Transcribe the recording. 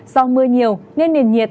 do mưa nhiều nên nền nhiệt